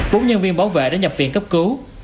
bốn nhân viên bảo vệ đã nhập viện cấp cứu